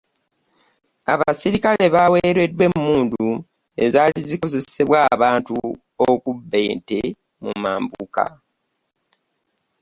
Abasirikale baweredwa emundu ezaali zikozesebwa abantu okubba ente mu mambuka.